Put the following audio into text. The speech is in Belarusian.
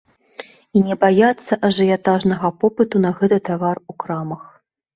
І не баяцца ажыятажнага попыту на гэты тавар у крамах.